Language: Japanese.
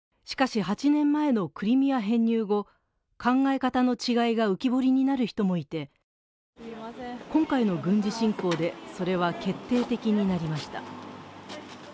しかし、８年前のクリミア編入後、考え方の違いが浮き彫りになる人もいて、今回の軍事侵攻でそれは決定的になりました。